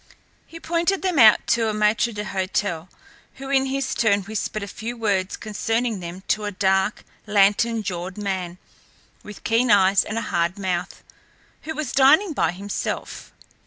He pointed them out to a maître d'hôtel, who in his turn whispered a few words concerning them to a dark, lantern jawed man, with keen eyes and a hard mouth, who was dining by himself.